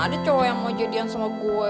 mana ada cowo yang mau jadian sama gue